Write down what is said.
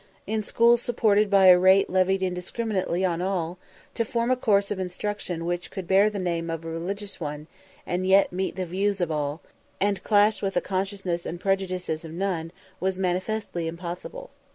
In schools supported by a rate levied indiscriminately on all, to form a course of instruction which could bear the name of a religious one, and yet meet the views of all, and clash with the consciences and prejudices of none, was manifestly impossible.